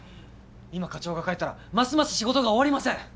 今課長が帰ったらますます仕事が終わりません。